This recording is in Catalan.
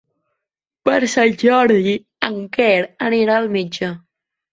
Per Sant Jordi en Quer anirà al metge.